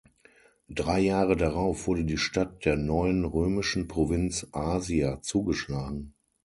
Drei Jahre darauf wurde die Stadt der neuen römischen Provinz Asia zugeschlagen.